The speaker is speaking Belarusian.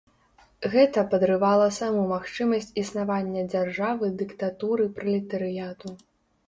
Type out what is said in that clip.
Гэта падрывала саму магчымасць існавання дзяржавы дыктатуры пралетарыяту.